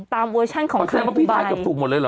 ตามเวอร์ชั่นของใครบ่ายเพราะแทนว่าพี่ไทก็ถูกหมดเลยเหรอ